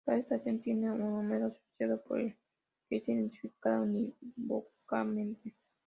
Cada estación tiene un número asociado por el que es identificada unívocamente.